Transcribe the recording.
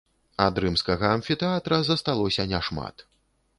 Ад рымскага амфітэатра засталося няшмат.